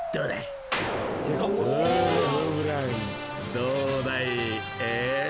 ［どうだい？え？